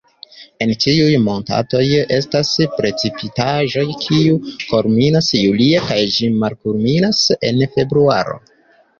En ĉiuj monatoj estas precipitaĵoj, kiu kulminas julie kaj ĝi malkulminas en februaro.